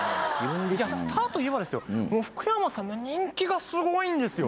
スターといえば福山さんの人気がすごいんです。